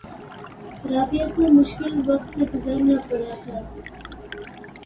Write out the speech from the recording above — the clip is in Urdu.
رابعہ کو مشکل وقت سے گزرنا پڑا تھا